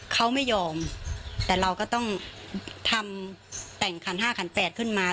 เขาไม่ยอมแต่เราก็ต้องทำแต่งขันห้าขันแปดขึ้นมา